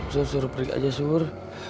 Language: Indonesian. sur sur perik aja sur